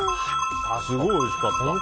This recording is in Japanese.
すごいおいしかった。